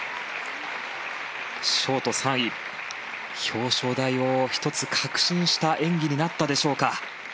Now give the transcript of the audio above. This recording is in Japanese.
ショート３位表彰台を１つ確信した演技になったでしょうか。